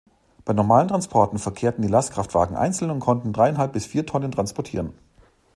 Bei normalen Transporten verkehrten die Lastkraftwagen einzeln und konnten dreieinhalb bis vier Tonnen transportieren.